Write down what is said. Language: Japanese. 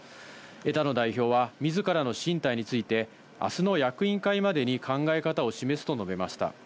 枝野代表は、みずからの進退について、あすの役員会までに考え方を示すと述べました。